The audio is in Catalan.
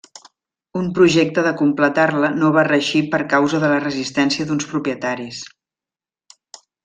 Un projecte de completar-la no va reeixir per causa de la resistència d'uns propietaris.